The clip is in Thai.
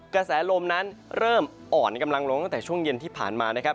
กระแสลมนั้นเริ่มอ่อนกำลังลงตั้งแต่ช่วงเย็นที่ผ่านมานะครับ